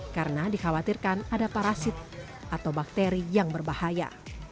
karena dikhawatirkan ada parasit atau bakteri yang berbahaya